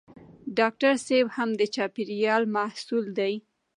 ډاکټر صېب هم د چاپېریال محصول دی.